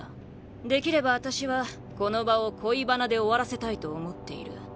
できればあたしはこの場を恋バナで終わらせたいと思っている。